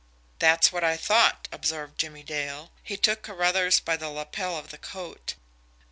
"That's what I thought," observed Jimmie Dale. He took Carruthers by the lapel of the coat.